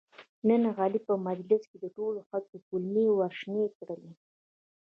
نن علي په مجلس کې د ټولو خلکو کولمې ورشنې کړلې.